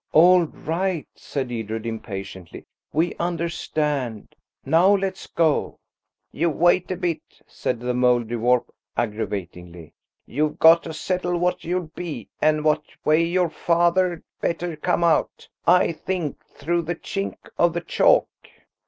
"All right," said Edred impatiently, "we understand. Now let's go." "You wait a bit," said the Mouldiwarp aggravatingly. "You've got to settle what you'll be, and what way your father'd better come out. I think through the chink of the chalk."